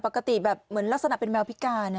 ปกติแบบเหมือนลักษณะเป็นแมวพิการ